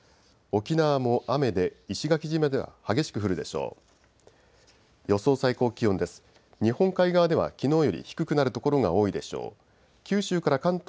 沖縄も雨で石垣島では激しく降るでしょう。